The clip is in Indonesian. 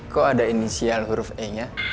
kok ada inisial huruf e nya